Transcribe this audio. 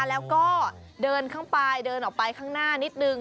แล้วก็เดินเข้าไปเดินออกไปข้างหน้านิดนึง